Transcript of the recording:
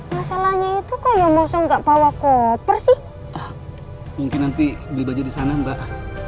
masalahnya itu kayak mau nggak bawa koper sih mungkin nanti beli baju di sana mbak